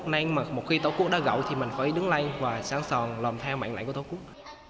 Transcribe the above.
nên mà một khi tàu cút đã gậu thì mình phải đứng lên và sáng sòn làm theo mạnh lãnh của tàu cút